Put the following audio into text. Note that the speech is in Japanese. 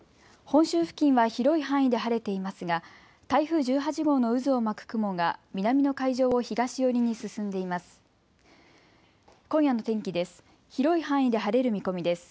本州付近は広い範囲で晴れていますが台風１８号の渦を巻く雲が南の海上を東寄りに進んでいます。